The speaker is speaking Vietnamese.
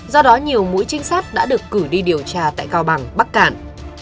do đó nhiều mũi trinh sát đã được cử đi điều tra tại cao bằng bắc cạn